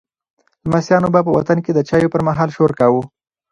لمسیانو به په وطن کې د چایو پر مهال شور کاوه.